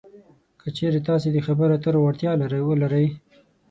که چېرې تاسې د خبرو اترو وړتیا ولرئ